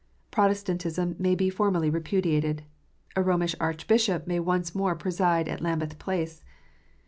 Protestantism may be formally repudiated. A Romish Archbishop may once more preside at Lambeth Palace.